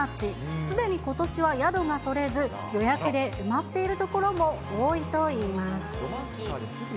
すでに、ことしは宿が取れず、予約で埋まっているところも多いといいます。